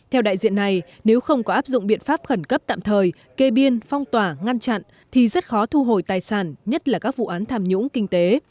theo đại diện này nếu không có áp dụng biện pháp khẩn cấp tạm thời kê biên phong tỏa ngăn chặn thì rất khó thu hồi tài sản nhất là các vụ án tham nhũng kinh tế